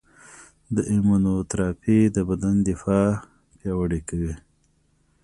د ایمونوتراپي د بدن دفاع پیاوړې کوي.